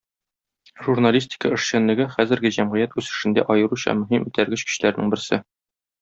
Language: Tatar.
Журналистика эшчәнлеге - хәзерге җәмгыять үсешендә аеруча мөһим этәргеч көчләрнең берсе.